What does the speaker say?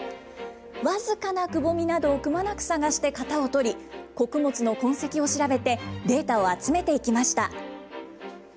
僅かなくぼみなどをくまなく探して型を取り、穀物の痕跡を調べて、データを集めていきました。